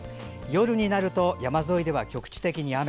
夜になると山沿いでは局地的に雨。